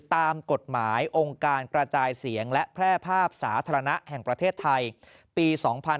ตามกฎหมายองค์การกระจายเสียงและแพร่ภาพสาธารณะแห่งประเทศไทยปี๒๕๕๙